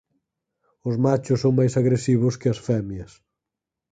Os machos son máis agresivos que as femias.